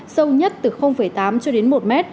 sâu nhất từ tám cho đến một m